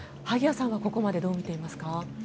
萩谷さんはここまでどう思っていますか。